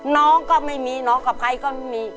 น้องก็ไม่มีน้องกับใครก็มี